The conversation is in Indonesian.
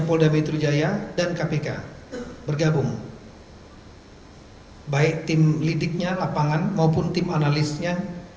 polda metrujaya dan kpk bergabung hai baik tim lidiknya lapangan maupun tim analisnya